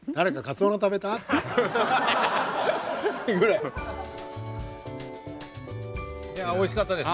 いやおいしかったです！